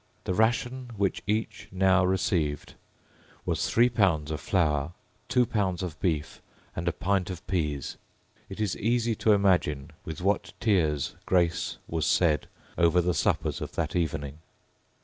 The ration which each now received was three pounds of flour, two pounds of beef, and a pint of Pease. It is easy to imagine with what tears grace was said over the suppers of that evening.